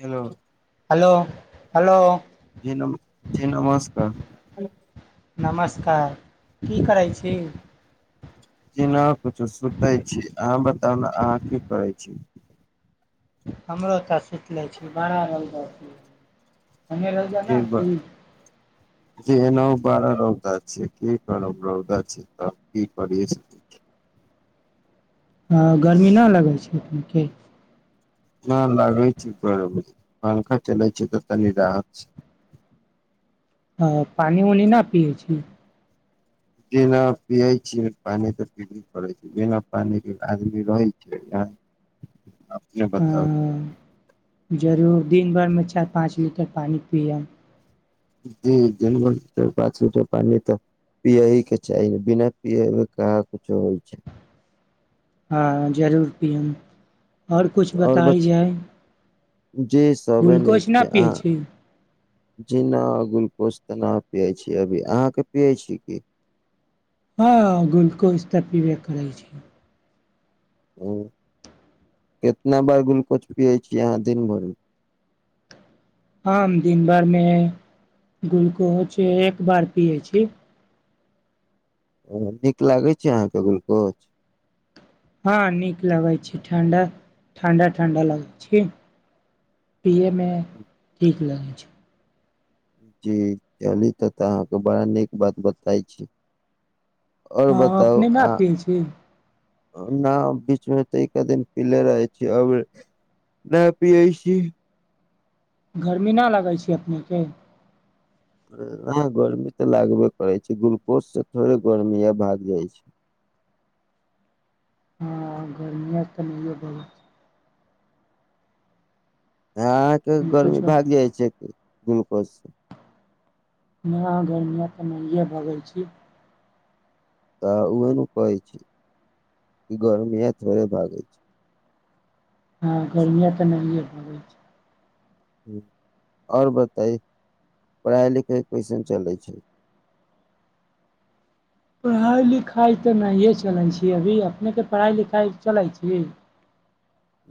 Hello hello hello जी नमस-जी नमस्कार हेलो नमस्कार की करै छी जी ना कुछो सुतै छी अहाँ बताउ न अहाँ की करै छी हमरो तऽ सुति लै छी बड़ा रौदा जी ब [unintelligible] जी एनो बड़ा रौदा छै की करब रौदा छै तऽ की करि हाँ गर्मी ना लगै छै एनख की न लागै छै बरबरी मलखा चलाय छै तऽ तनी राहत छै ह पानी उऊनी न पियए छी बिना पियै छै पानि तऽ पीबे करै छै बिना पानी के आदमी रहै छै जे बताउ जरूर दिन भरिमे चारि पाँच लीटर पानिप्य ज जनम पाँच लीटर पानि तऽ पिय ह के छैाह बिना पी कह कुछो होइ छै हँ जरूर पियम आओर किछु बताय जाय जी सेवन ग्लूकोज एक न छै आ पियै छी जीना ग्लुकोज तनाव पियै छी अभी अहाँके पियै छी की हँ गुलकोज तऽ पिबे करै छी ह कितना बार गुलकोच पियै छीिय अहाँ दिन भरिमे आम दिनभरमे ग्लुकोज एक बार पियै छी ओ नीक लागै छै अहाँके गुलकोच हँ नीक लगैत छै ठंडा ठंडा ठंडा लगैत छी पियैमे नठीक लगैत छै जी ची तऽ तऽ अहाँके बड़ा नीक बात बताइ छी आओर हँ बताउ अपने ने अहाँ पियै छी न बीचमे तऽ एके दिन पीले रहै छी अब नहि पियै छी गर्मी नहि लगै छै अपनेके ह गर्मी तऽ लागबे करैत छै ग्लूकोजसँ थोड़े गर्मी य भाग जाइत छै हँ गर्मिय तऽ नहिए ब ह अहाँके हुनको गर्मी छौ भागि जाइ छै बिलक हम अह घरमिय तऽ नहिए भगै छी तऽ ओ एन कहै छी कि गरमी आ थोरे भागे छै हँ गर्मिया तऽ नहि ह ब आओर बताई पढ़ाइ लिखाइ कइसन चलै छै पढ़ाइ लिखाइ तऽ नहिए चलै छी अभी अपनेके पढ़ाइ लिखाइ चलै छी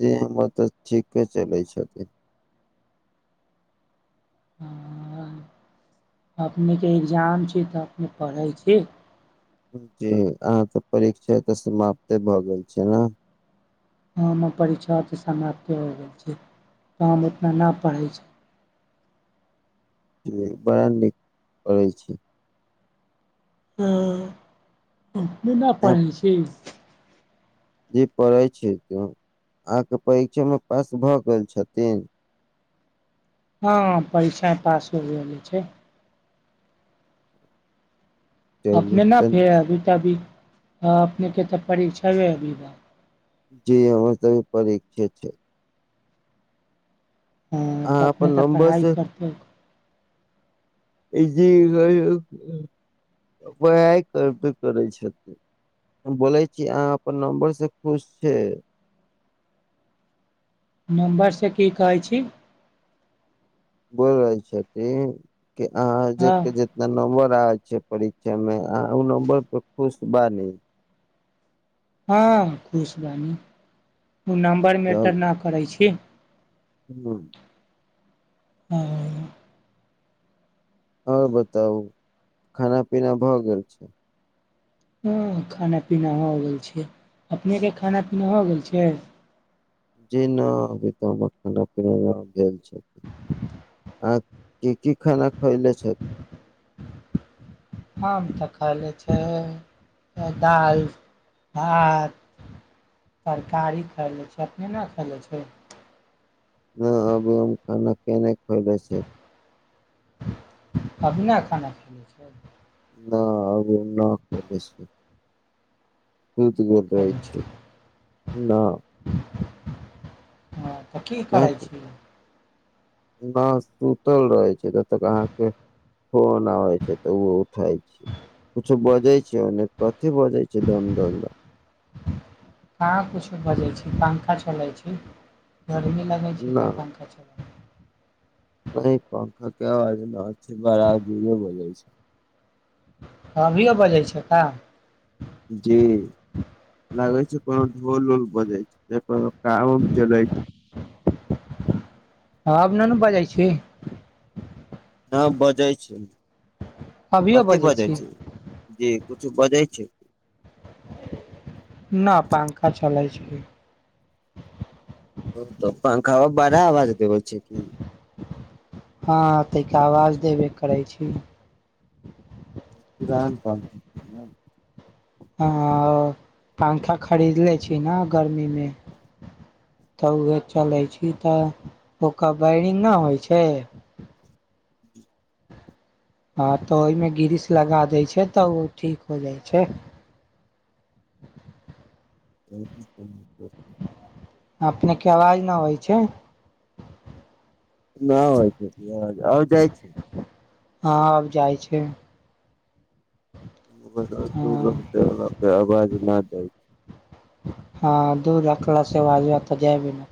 जे हमर तऽ ठीके चलैत छथिन ह अपनेके एग्जाम छी तऽ अपने पढ़ै छी जी अहाँके परीक्षा तऽ समाप्ते भऽ गेल छै ने हम हम परीक्षा तऽ समाप्ते हो गेल छै तऽ हम उतना नहि पढ़ै छी बयन नहि करै छै हँ ने नहि पढ़ै छी जेी पढ़ै छै आहके परीक्षामे पास भऽ गेल छथिन हँ पैसा पास हो रहले छै चलू अपने न तऽ फेर अभी तऽ अभी हँ अपनेके तऽ परीक्षबे अभी बात जी हमर तनि परीक्षे छै हाँ तऽ अहाँ अपन अपने तऽ नम्बर पढ़ाइ से करबै जी हम पढ़ाई करबे करै छै की हम बोलै छी अहाँ अपन नम्बर से खुश छै नम्बरसे की कहै छी बोल रहैल छथिन के अहाँ हँ के जितना नम्बर छै परीक्षा मेमे आ ओ नबर पर खुश बानी हँ खुशबानी ओ नम्बर मेटर ना करै छी हूँ हाँ आओर बताउ खाना पीना भऽ गेल छै हाँ खाना पीना हो गेल छै अपनेके खाना पीना हो गेल छै जी ना अभी तऽ हमरा खान पीना न भेल छै आँ- की की खाना खइले छथि आम तऽ खैले छै दालि भात तरकारी खैले छै अपने ना खैले छै ना अभी आम खाना कने खैलै छै अभी ना खाना खैले छै ना अब [unintelligible] नहि खयले छै [unintelligible] हँ तऽ की न करै छियै न सुतल रहै छै तब तक अहाँके फोन आबै छै तऽ ओ उठै छै कुछ बजै छै ओन्ने कथी बजै छै धम-धम कहाँ कुछो बजै छै पंखा चलै छै गरमी लगै छै ना तऽ पंखा चलै छै नहि पंखाके आवाज न छै बार आ जोरमे बजै छै अभियो बजै छै का जी लागै छै कोनो ढोल उल बजै छै कोनो काम उम चलै छै आब न-नु बाजै छी हाँ बजै छी कथि बजै छी जे कछु बजै छै न पंखा चलै छै ओ तऽ पंखा बड़ा आवाज देबै छै की हाँ तैका आवाज देबै करै छी पुरान पंखा हाँ हाँ पंखा खरीदलै छी नऽ गर्मीमे तऽ उहाए चलै छी तऽ ओकर वायरिंग ना होइ छै हाँ तऽ ओहिमे ग्रीस लगा दै छै तऽ ओ ठीक हो जाइ छै ह अपनेके आवाज नहि अइ छै न होइ छै आओ जाइ छै हँ आब जाइ छै [unintelligible] हँ जाइ हाँ दूर रखला से आवाज वहाँ तऽ जाबै न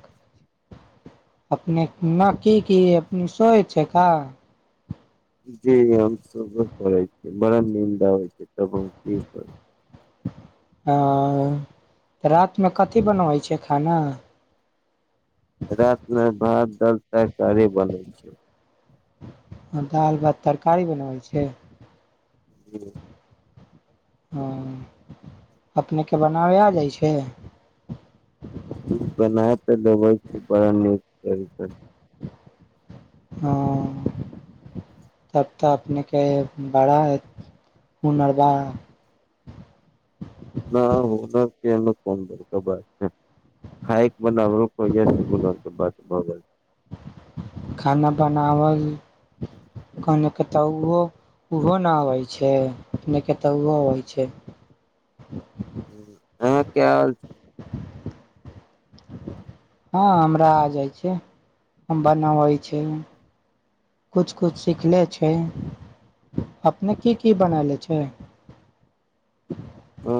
अपने न की की अपने सोै छै का जे हम सु बै करै छै बड़ा निन्द आबै छै त हम की कर ह रात में कथि बनबै छिय खाना रात में भात दाल तरकारी बनै छै दालि भात तरकारी बनाबै छिय जी अपनेकेँ बनाबय आ जाइ छै बनाय त दबइ छी बड़ा निक तरीका से ह तब तऽ अपने के बड़ा हुनरगार न हो नहि कि कोन बड़का बात छै खायक बनाबे कोहिया से हुनर बात भ गेल कनेके तऽ ओहो ओहो नहि अबै छै कनेके तऽ ओहो अबै छै अ क्याल हँ हमरा आ जाइ छै हम बनबै छै कुछ कुछ सीखले छै अपने की की बनाले छै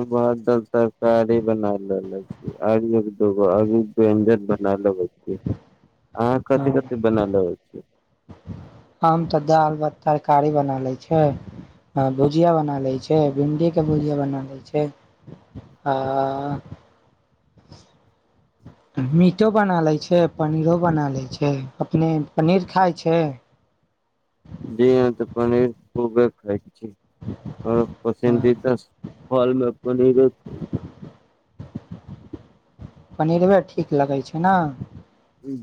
भात, दाइल, तरकारी बना लेे छी आर एक दूगो अभ व्यंजन बना लेे छी अहाँ हँ कथी कथिे बनल होइ छै हम तऽ दाल भात तरकारी बना लै छै भुजिया बना लै छै भिंडीके भुजिया बना लै छै आ मीटो बना लै छै पनीरो बना लै छै अपने पनीर खाइ छै जी ह तऽ पनीर खूबे खइ र हँ पसन्दीदा फल में पनीरे पनीरवे ठीक लगै छै ने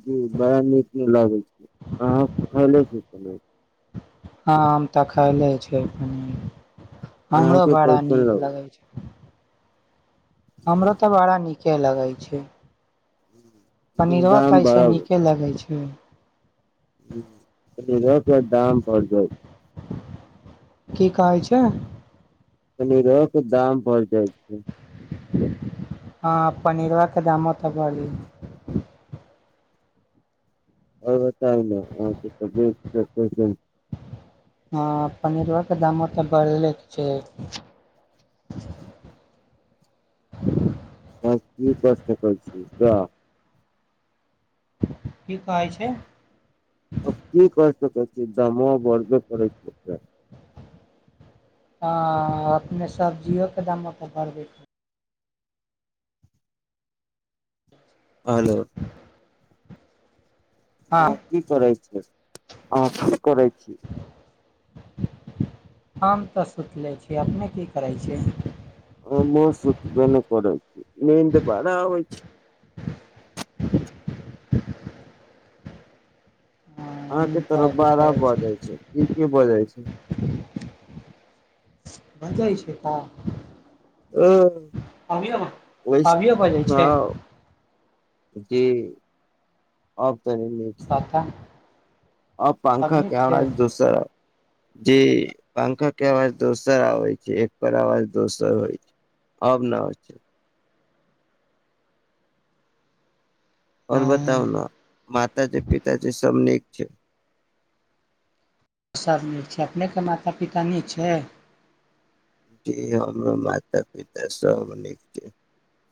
ज बड़ा नीक नहि लागै छै अह खैले छी हेलो हँ हम तऽ खायले छै पनीर हमरो अहाँके बड़ा कैसन नीक लगै लगाय छै हमरो तऽ बड़ा नीके लगै छै लेकिन पनीरवा दाम तऽ ऐसे बड़ा गेल। नीके लगे छै हू पनीरो के दाम बड़ जायत की कहै छै पनिरोख दाम बढ जाइ छै हँ पनीरवा दामो तऽ बढ़ी आओ त नहि हँ पनीरवा के दामओ तऽ बढ़ले छै हँ की प्रश्न कर छी र की कहै छै दमो बरे परै छै अपने सब्जियोके दाम अपन भरबै छै आलो हँ की करै छै अ की करै छी हम तऽ सुतिलै छी अपने की करै छियै ह न त पा आब छै अहाँके नींद तऽ तरफ अबे बारा करै ब जाइ छै की की ब जाइ छै मजाइ छै तऽ ह ओहि अभियो बजै छै हँ जी आब त पता आब पंखा अभिये के छै अवाज दोसर जी पंखा के अवाज दोसर आवै छै एकर अवाज दोसर होइ छै अब न हो छै और हँ बताउ न मताजी पिताजी सब निक सब नीक छै अपनेक माता पिता नीक छै जी हमरो माता पिता सब नीक छै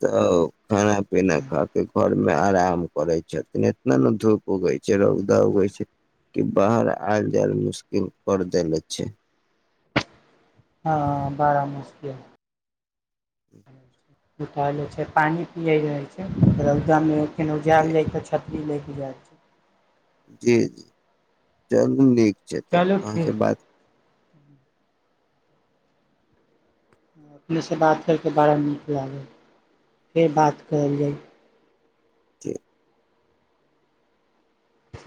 तऽ खाना पीना खाके घर मे आराम करै छथिन इतना ने धूप उगै छै रौदा उगै छै कि बाहर आयल जायल मुश्किल कर देले छै हँ बाड़ा मुश्किल उठालै छै पानि पियै रहै छै रौदामे केनाहु जी जायल जाइ तऽ छथि ई लैके जाइ छै जी जी चलू नीक त चलू अहाँ से ठीक बात अपनेसँ बात करि कऽ बड़ा नीक लागै फेर बात करल जाइ ठीक